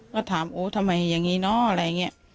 ก็ถามโอ้ทำไมอย่างนี้เนอะอะไรอย่างนี้